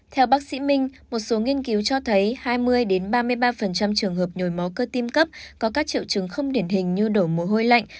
theo bác sĩ minh một số nghiên cứu cho thấy hai mươi ba mươi ba trường hợp nhồi máu cơ tim cấp có các triệu chứng không điển hình như đổ mồ hôi lạnh